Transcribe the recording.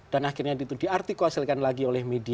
dan akhirnya diartikulasikan lagi oleh media